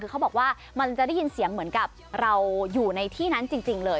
คือเขาบอกว่ามันจะได้ยินเสียงเหมือนกับเราอยู่ในที่นั้นจริงเลย